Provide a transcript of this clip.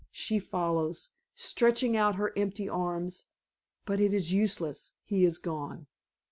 She follows, stretching out her empty arms. But it is useless he is gone.